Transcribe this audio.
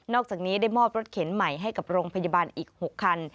อกจากนี้ได้มอบรถเข็นใหม่ให้กับโรงพยาบาลอีก๖คัน